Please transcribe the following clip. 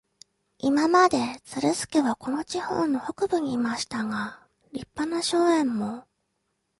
今まで、ズルスケはこの地方の北部にいましたが、立派な荘園も、